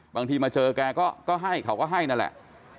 บางทีมาเจอแกก็ให้เขาก็ให้นั่นแหละ